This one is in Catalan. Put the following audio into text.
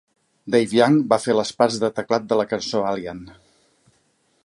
Dave Young va fer les parts de teclat de la cançó "Alien".